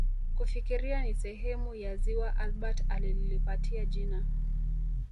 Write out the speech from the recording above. Kufikiria ni sehemu ya ziwa Albert alilipatia jina